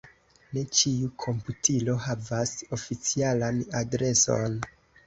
Ne ĉiu komputilo havas oficialan adreson.